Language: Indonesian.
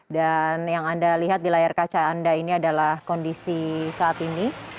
dan yang anda lihat di layar kaca anda ini adalah kondisi saat ini